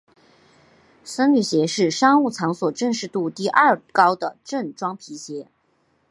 僧侣鞋是商务场所正式度第二高的正装皮鞋。